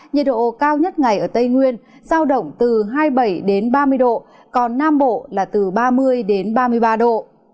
nhiệt độ cao nhất ngày ở tây nguyên giao động từ hai mươi bảy đến ba mươi độ còn nam bộ là từ ba mươi ba mươi ba độ